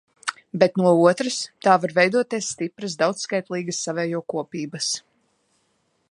Bet no otras – tā var veidoties stipras, daudzskaitlīgas savējo kopības.